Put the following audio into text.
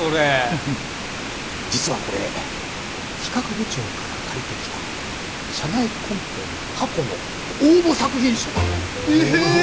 フフッ実はこれ企画部長から借りてきた社内コンペの過去の応募作品集だ。